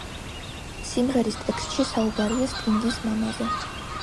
სიმღერის ტექსტში საუბარია სტინგის მამაზე.